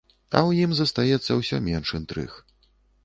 А ў ім застаецца ўсё менш інтрыг.